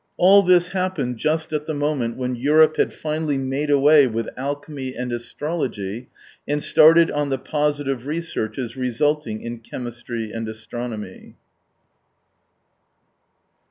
... All this happened just at the moment when Europe had finally made away with alchemy and astrology, and started on the positive researches resulting in chemistry and astronomy.